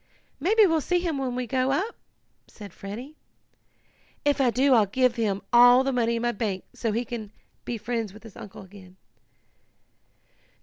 "Maybe we'll see him when we go up," said Freddie. "If I do I'll give him all the money in my bank so he can be friends with his uncle again."